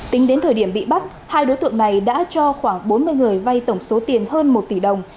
tính đến thời điểm bị bắt hai đối tượng này đã cho khoảng bốn mươi người vay tổng số tiền hơn một tỷ đồng